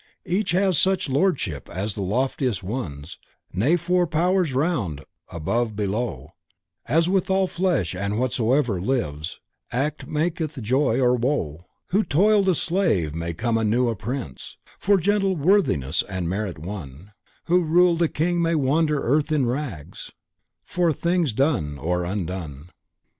Each has such lordship as the loftiest ones Nay for with powers around, above, below As with all flesh and whatsoever lives Act maketh joy or woe. Who toiled a slave may come anew a prince For gentle worthiness and merit won; Who ruled a king may wander earth in rags For things done or undone."